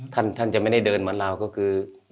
ท่านจะไม่ได้เดินเหมือนเราก็คือ